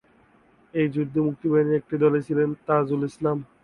এই যুদ্ধে মুক্তিবাহিনীর একটি দলে ছিলেন তাজুল ইসলাম।